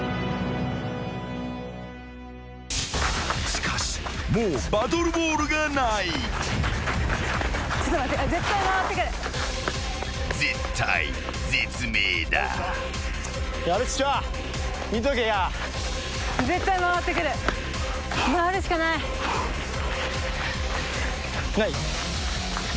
［しかしもうバトルボールがない］［絶体絶命だ］ない？